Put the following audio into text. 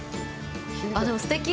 でも、すてき。